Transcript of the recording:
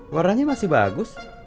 warnanya masih bagus